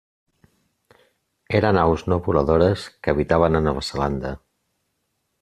Eren aus no voladores que habitaven a Nova Zelanda.